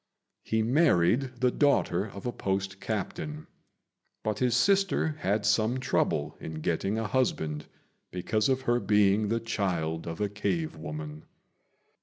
He married the daughter of a post captain; but his sister had some trouble in getting a husband, because of her being the child of a cave woman.